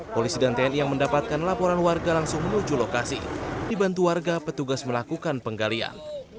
polisi dan tni yang mendapatkan laporan warga langsung menuju lokasi dibantu warga petugas melakukan penggalian